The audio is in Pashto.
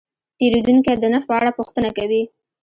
پیرودونکی د نرخ په اړه پوښتنه وکړه.